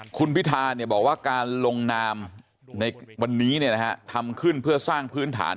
คุณพิธาบอกว่าการลงนามในวันนี้ทำขึ้นเพื่อสร้างพื้นฐาน